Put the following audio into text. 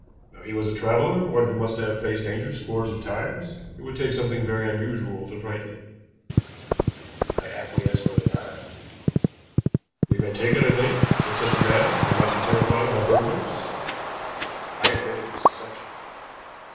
Now he was a traveler, one who must have faced danger scores of times; it would take something very unusual to frighten him." I acquiesced with a nod. "We may take it, I think, that such a man would not be terrified by burglars." I admitted this assumption.